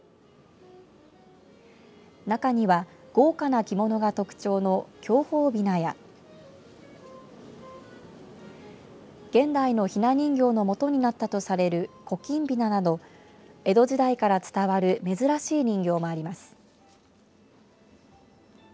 中には豪華な着物が特徴の享保びなや現代のひな人形の元になったとされる古今びななど江戸時代から伝わる珍しい人形もあります。